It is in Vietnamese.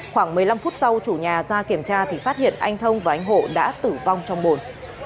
khoảng một mươi năm phút sau chủ nhà ra kiểm tra thì phát hiện anh thông và anh hộ đã tử vong trong bồn